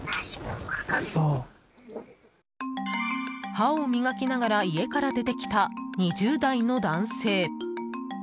歯を磨きながら家から出てきた２０代の男性。